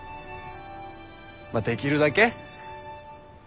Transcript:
まあできるだけ。